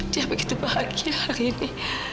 dia begitu bahagia hari ini